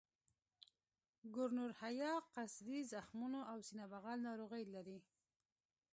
ګونورهیا قصدي زخمونو او سینه بغل ناروغۍ لري.